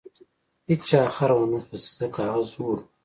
هیچا خر ونه خیست ځکه هغه زوړ و.